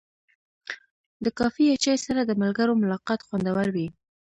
د کافي یا چای سره د ملګرو ملاقات خوندور وي.